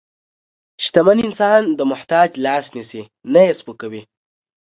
شتمن انسان د محتاج لاس نیسي، نه یې سپکوي.